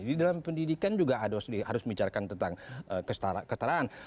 di dalam pendidikan juga harus dibicarakan tentang kesetaraan